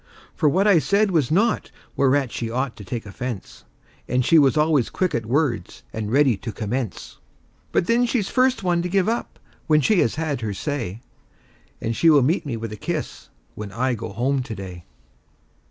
For what I said was naught whereat she ought to take offense; And she was always quick at words and ready to commence. But then she's first one to give up when she has had her say; And she will meet me with a kiss, when I go home to day.